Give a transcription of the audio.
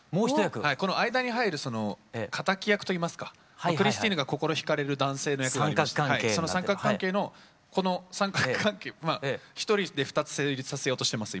この間に入るその敵役といいますかクリスティーヌが心引かれる男性の役がありましてその三角関係のこの三角関係一人で２つ成立させようとしてます